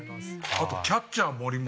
あとキャッチャー森も。